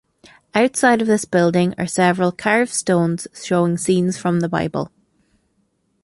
Outside of this building are several carved stones showing scenes from the Bible.